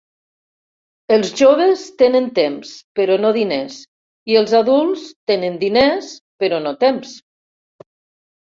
Els joves tenen temps però no diners i els adults tenen diners però no temps.